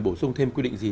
bổ sung thêm quy định gì